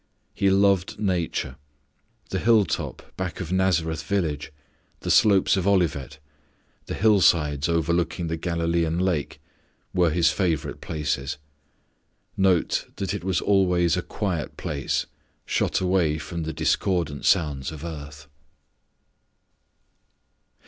He loved nature. The hilltop back of Nazareth village, the slopes of Olivet, the hillsides overlooking the Galilean lake, were His favourite places. Note that it was always a quiet place, shut away from the discordant sounds of earth.